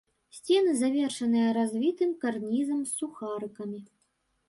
Сцены завершаныя развітым карнізам з сухарыкамі.